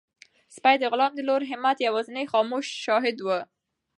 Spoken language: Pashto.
سپی د غلام د لوړ همت یوازینی خاموش شاهد و.